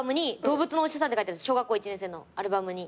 小学校１年生のアルバムに。